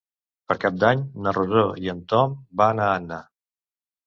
Per Cap d'Any na Rosó i en Tom van a Anna.